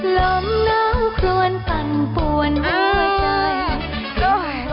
ล้มน้ำควรปั่นปวนวิวเกอร์